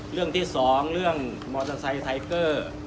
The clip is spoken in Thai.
เรื่องที่สองเรื่องมอเตอร์ไซค์ไทเกอร์